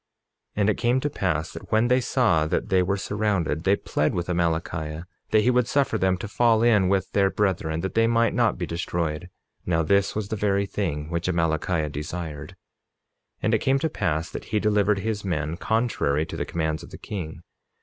47:15 And it came to pass that when they saw that they were surrounded, they plead with Amalickiah that he would suffer them to fall in with their brethren, that they might not be destroyed. Now this was the very thing which Amalickiah desired. 47:16 And it came to pass that he delivered his men, contrary to the commands of the king.